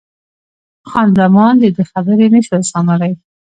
خان زمان د ده خبرې نه شوای زغملای.